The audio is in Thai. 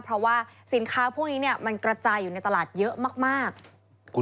เพราะว่าสินค้าพวกนี้เนี่ยมันกระจายอยู่ในตลาดเยอะมาก